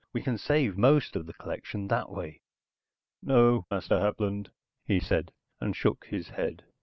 We can save most of the collection that way." "No, Master Hapland," he said, and shook his head.